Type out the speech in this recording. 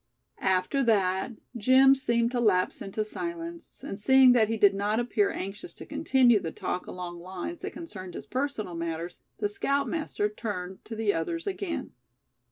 After that Jim seemed to lapse into silence, and seeing that he did not appear anxious to continue the talk along lines that concerned his personal matters, the scoutmaster turned to the others again.